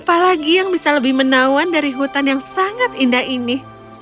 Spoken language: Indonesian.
apalagi yang bisa lebih menawan dari hutan yang sangat indah ini